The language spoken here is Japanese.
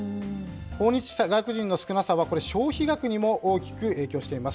訪日した外国人の少なさは、これ、消費額にも大きく影響しています。